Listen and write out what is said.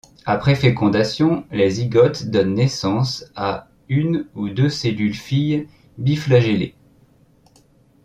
Après fécondation, les zygotes donnent naissance à une ou deux cellules filles biflagellées.